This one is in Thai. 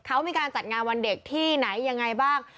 เขามีการจัดงานวันเด็กที่ไหนยังไงบ้าง